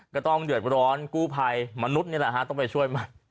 ก็ต้องเดือดร้อนกู้ภัยมนุษย์นี่แหละฮะต้องไปช่วยมัน